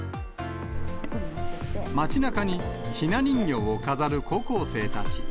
街なかにひな人形を飾る高校生たち。